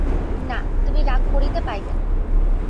না, তুমি রাগ করিতে পাইবে না।